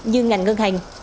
như ngành ngân hàng